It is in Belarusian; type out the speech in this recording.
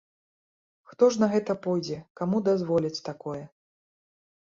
Хто ж на гэта пойдзе, каму дазволяць такое?